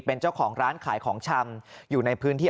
เป็นเจ้าของร้านขายของชำอยู่ในพื้นที่